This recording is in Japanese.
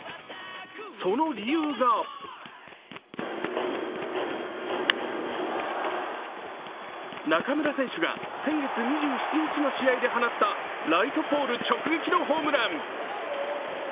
その理由が中村選手が先月２７日の試合で放ったライトポール直撃のホームラン。